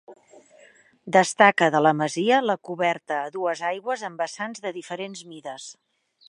Destaca de la masia la coberta a dues aigües amb vessants de diferents mides.